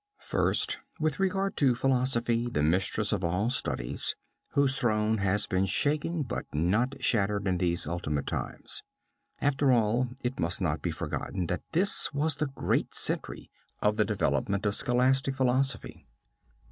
First with regard to philosophy, the mistress of all studies, whose throne has been shaken but not shattered in these ultimate times. After all it must not be forgotten that this was the great century of the development of scholastic philosophy.